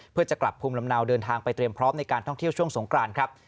เพื่อจะกลับภูมิลำเนาเดินทางไปเตรียมพร้อมในการท่องเที่ยวช่วงสงกรานครับ